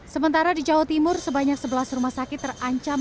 sementara di jawa timur sebanyak sebelas rumah sakit terancam